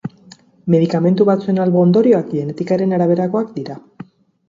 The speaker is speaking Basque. Medikamentu batzuen albo ondorioak genetikaren araberakoak dira.